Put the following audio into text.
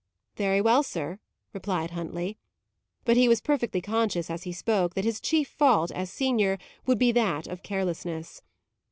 "Very well, sir," replied Huntley. But he was perfectly conscious, as he spoke, that his chief fault, as senior, would be that of carelessness.